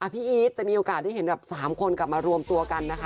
พี่อีทจะมีโอกาสได้เห็นแบบ๓คนกลับมารวมตัวกันนะคะ